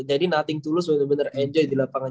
jadi nothing to lose bener bener enjoy di lapangan